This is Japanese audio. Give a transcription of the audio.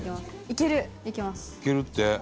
いけるって。